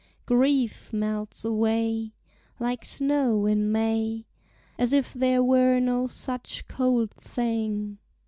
Grief melts away Like snow in May, As if there were no such cold thing.